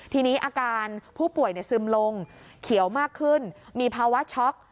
ทีนี้อาการผู้ป่วยซึมลงเขียวมากขึ้นมีภาวะช็อก